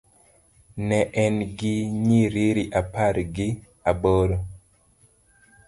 Ne en gi nyiriri apar gi aboro.